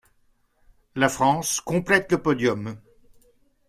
La France, complète le podium.